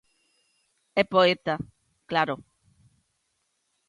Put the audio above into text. E poeta, claro.